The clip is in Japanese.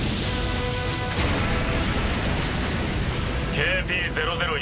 ＫＰ００１